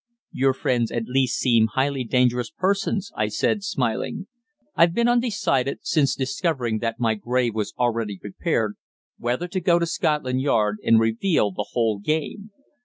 "Your friends at least seem highly dangerous persons," I said, smiling. "I've been undecided, since discovering that my grave was already prepared, whether to go to Scotland Yard and reveal the whole game."